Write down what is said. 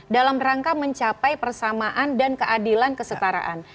dalam rangka mencapai persamaan dan keadilan kesetaraan